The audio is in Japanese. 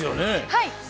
はい。